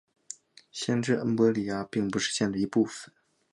县治恩波里亚并不是县的一部分。